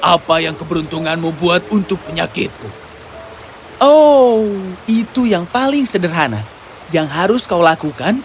apa yang keberuntunganmu buat untuk penyakitmu oh itu yang paling sederhana yang harus kau lakukan